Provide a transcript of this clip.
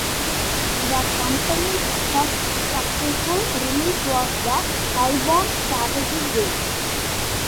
The company's first successful release was the "Highborn" strategy game.